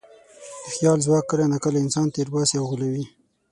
د خیال ځواک کله ناکله انسان تېر باسي او غولوي.